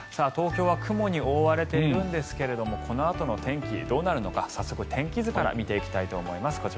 東京は雲に覆われているんですけれどもこのあとの天気どうなるのか早速、天気図から見ていきたいと思います。